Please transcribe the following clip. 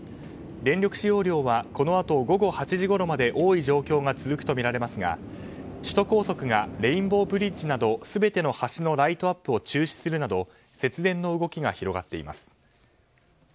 電力使用量はこのあと午後８時ごろまで多い状況が続くとみられますが首都高速がレインボーブリッジなど全ての橋のライトアップを中止するなど節電の動きが広がっています。